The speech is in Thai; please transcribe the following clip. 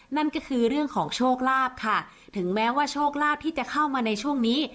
นั่นก็คือเรื่องของโชคลาภค่ะถึงแม้ว่าโชคลาภที่จะเข้ามาในช่วงนี้